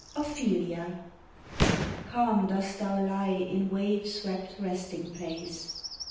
Ophelia. CALM dost thou lie in wave swept resting place.